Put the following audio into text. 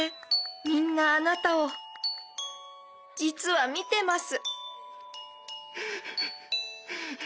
みんなあなたを実は見てます